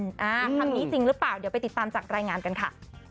คำนี้จริงหรือเปล่าเดี๋ยวไปติดตามจากรายงานกันค่ะ